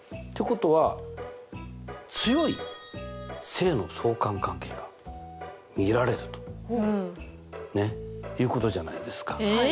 ってことは強い正の相関関係が見られるということじゃないですか。